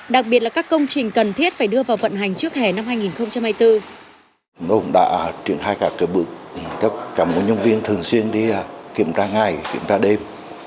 đặc biệt là các công trình cần thiết phải đưa vào vận hành trước hẻ năm hai nghìn hai mươi bốn